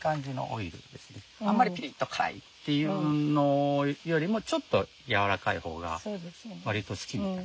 あんまりピリッと辛いっていうのよりもちょっとやわらかい方が割と好きみたい。